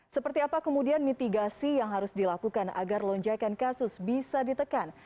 seperti apa kemudian mitigasi yang harus dilakukan agar lonjakan kasus bisa ditekan